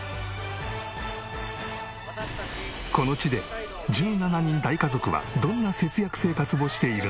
この地で１７人大家族はどんな節約生活をしているのか？